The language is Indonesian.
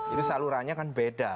itu salurannya kan beda